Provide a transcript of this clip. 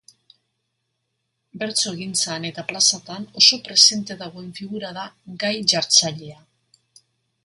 Bertsogintzan eta plazatan oso presente dagoen figura da gai-jartzailea.